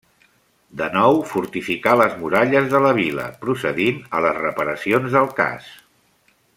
De nou, fortificà les muralles de la vila, procedint a les reparacions del cas.